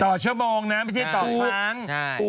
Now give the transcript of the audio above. ต่อชั่วโมงนะไม่ใช่ต่อครั้ง